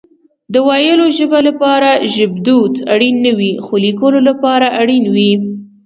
د ويلو ژبه لپاره ژبدود اړين نه وي خو ليکلو لپاره اړين وي